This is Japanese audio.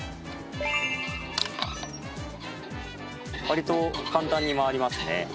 わりと簡単に回りますね。